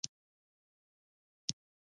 مصنوعي ځیرکتیا د تعلیم په سیستم کې بدلون راولي.